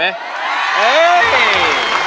ไหวไหม